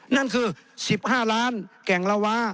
นั่นคือสิบห้าร้านแก่งละวะ